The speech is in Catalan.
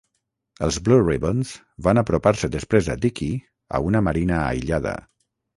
Els Blue Ribbons van apropar-se després a Dickey a una marina aïllada.